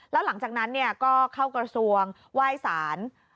แล้วหลังจากนั้นเนี่ยก็เข้ากระทรวงว่ายสาร